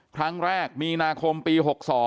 ครั้งแรกมีนาคมปี๖๒